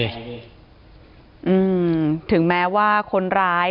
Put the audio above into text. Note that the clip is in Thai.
อืมถึงแม้ว่าคนร้าย